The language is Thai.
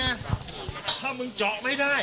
แล้วถ้าคุณชุวิตไม่ออกมาเป็นเรื่องกลุ่มมาเฟียร์จีน